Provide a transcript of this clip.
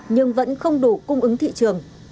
nhưng vẫn không đủ cung ứng thị trường